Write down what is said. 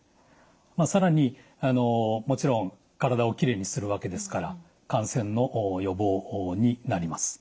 まあ更にもちろん体をきれいにするわけですから感染の予防になります。